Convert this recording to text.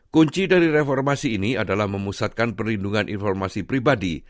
kunci dari reformasi ini adalah memusatkan perlindungan informasi pribadi